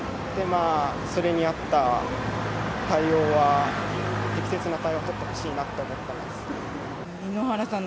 それに合った対応は、適切な対応取ってほしいなと思ってます。